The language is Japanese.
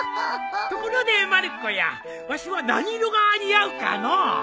ところでまる子やわしは何色が似合うかのう？